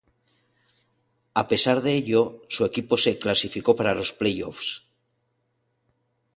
A pesar de ello, su equipo se clasificó para los Playoffs.